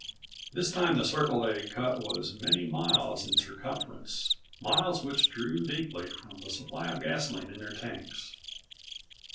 This time the circle they cut was many miles in circumference, miles which drew deeply from the supply of gasoline in their tanks.